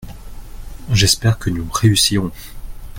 J’espère que nous réussirons !